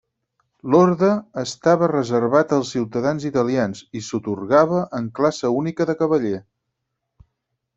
L'orde estava reservat als ciutadans italians, i s'atorgava en classe única de cavaller.